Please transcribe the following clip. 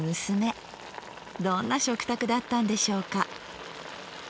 どんな食卓だったんでしょうか。